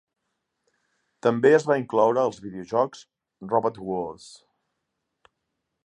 També es va incloure als videojocs "Robot Wars".